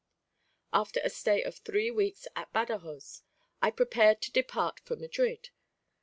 After a stay of three weeks at Badajoz, I prepared to depart for Madrid.